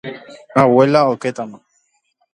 abuela okétama.